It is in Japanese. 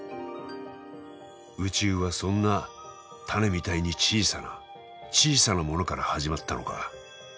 宇宙はそんな種みたいに小さな小さなものから始まったのか。